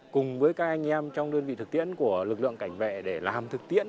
cùng với các anh em trong đơn vị thực tiễn của lực lượng cảnh vệ để làm thực tiễn